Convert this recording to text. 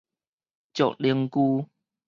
石楝舅